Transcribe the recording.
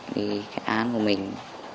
đi khách án của mình